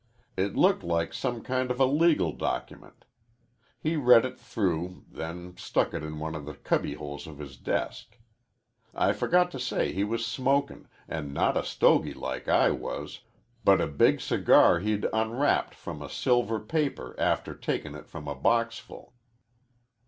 It looked like some kind of a legal document. He read it through, then stuck it in one o' the cubby holes of his desk. I forgot to say he was smokin', an' not a stogie like I was, but a big cigar he'd unwrapped from silver paper after takin' it from a boxful."